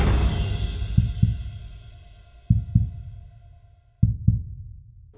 ก็ได้